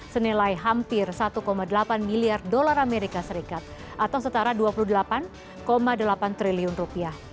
senilai hampir satu delapan miliar dolar amerika serikat atau setara dua puluh delapan delapan triliun rupiah